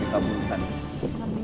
itu tapi hubungan